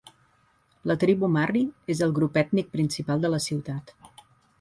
La tribu Marri és el grup ètnic principal de la ciutat.